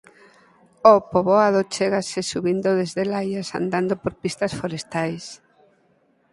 Ó poboado chégase subindo desde Laias andando por pistas forestais.